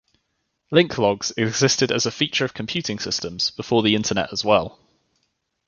Linklogs existed as a feature of computing systems before the internet as well.